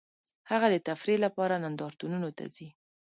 هغه د تفریح لپاره نندارتونونو ته ځي